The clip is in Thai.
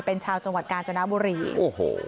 เป็นชาวจังหวัดกาญจนบุรีโอ้โห